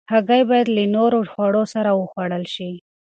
هګۍ باید له نورو خوړو سره وخوړل شي.